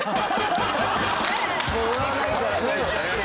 終わらないからね。